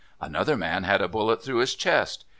Another man had a bullet through his chest.